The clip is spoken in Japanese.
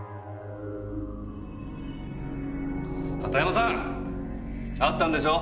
畑山さん！あったんでしょ？